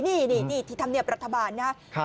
นี่ที่ธรรมเนียบรัฐบาลนะครับ